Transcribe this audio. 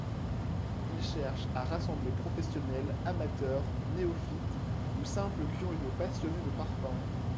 Il cherche à rassembler professionnels, amateurs, néophytes ou simples curieux passionnés de parfums.